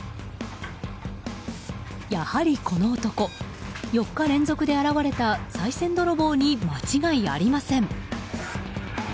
やはりこの男４日連続で現れたさい銭泥棒に間違いありません。